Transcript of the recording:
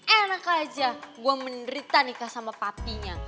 enak aja gue menderita nikah sama papi nya